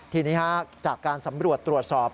ทีนี้จากการสำรวจตรวจสอบ